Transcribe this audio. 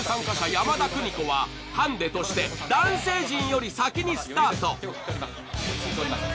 山田邦子はハンデとして男性陣より先にスタート落ち着いております